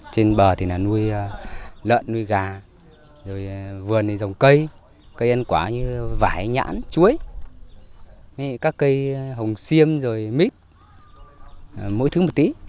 trên bờ thì là nuôi lợn nuôi gà vườn dòng cây cây ăn quả như vải nhãn chuối các cây hồng xiêm rồi mít mỗi thứ một tí